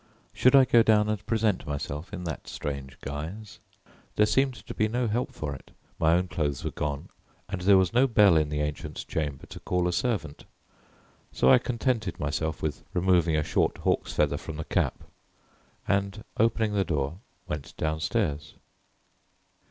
Should I go down and present myself in that strange guise? There seemed to be no help for it, my own clothes were gone and there was no bell in the ancient chamber to call a servant; so I contented myself with removing a short hawk's feather from the cap, and, opening the door, went downstairs.